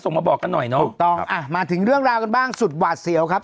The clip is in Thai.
มาบอกกันหน่อยเนอะถูกต้องอ่ะมาถึงเรื่องราวกันบ้างสุดหวาดเสียวครับ